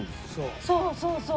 そうそうそう。